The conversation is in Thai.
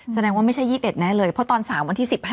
แสดงว่าไม่ใช่๒๑แน่เลยเพราะตอน๓วันที่๑๕